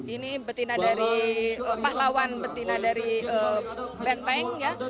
ini betina dari pahlawan betina dari benteng ya